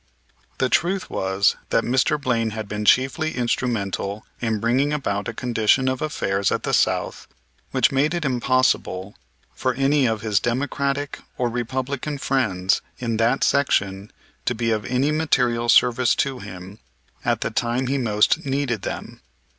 The truth was that Mr. Blaine had been chiefly instrumental in bringing about a condition of affairs at the South which made it impossible for any of his Democratic or Republican friends in that section to be of any material service to him at the time he most needed them.